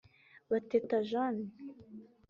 Bateta Jeanne